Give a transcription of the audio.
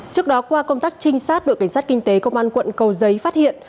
trước đó qua công tác trinh sát đội cảnh sát kinh tế công an quận cầu giấy phát hiện